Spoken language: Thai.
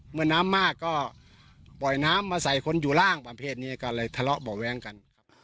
เมื่อน้ำมากก็ปล่อยน้ำมาใส่คนอยู่ล่างประเภทนี้ก็เลยทะเลาะเบาะแว้งกันครับ